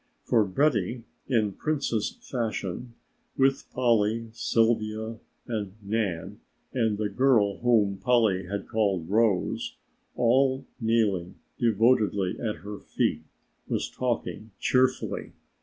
For Betty, in Princess fashion, with Polly, Sylvia and Nan, and the girl whom Polly had called Rose, all kneeling devotedly at her feet, was talking cheerfully.